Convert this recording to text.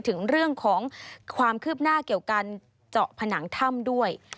ถึงเรื่องของความคืบหน้าเกี่ยวการเจาะผนังถ้ำด้วย